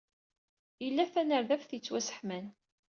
Ila tanerdabt yettwasseḥman.